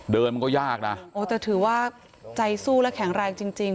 มันก็ยากนะโอ้แต่ถือว่าใจสู้และแข็งแรงจริงจริง